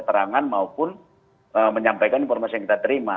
keterangan maupun menyampaikan informasi yang kita terima